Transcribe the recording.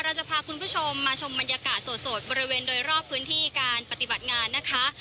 เราจะพาคุณผู้ชมมาชมบรรยากาศสดบริเวณโดยรอบพื้นที่การปฏิบัติงานนะคะ